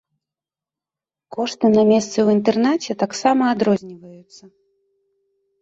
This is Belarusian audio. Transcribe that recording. Кошты на месцы ў інтэрнаце таксама адрозніваюцца.